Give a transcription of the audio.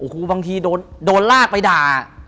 หรือว่าบางทีโดนรากไปด่า